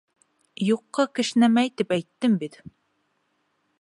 Юҡҡа кешнәмәй, тип әйттем бит.